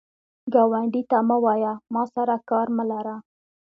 ګاونډي ته مه وایه “ما سره کار مه لره”